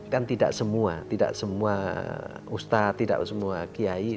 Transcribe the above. kan tidak semua tidak semua ustadz tidak semua kiai